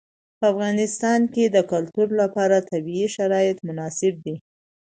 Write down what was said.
په افغانستان کې د کلتور لپاره طبیعي شرایط مناسب دي.